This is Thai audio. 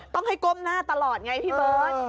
ต้องให้ก้มหน้าตลอดไงพี่เบิร์ต